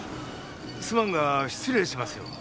すまんが失礼しますよ。